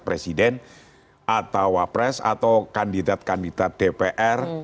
presiden atau wapres atau kandidat kandidat dpr